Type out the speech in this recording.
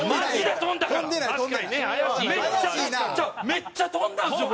めっちゃ飛んだんですよ